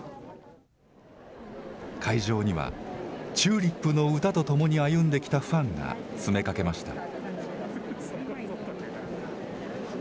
会場には、ＴＵＬＩＰの歌とともに歩んできたファンが詰めかけました。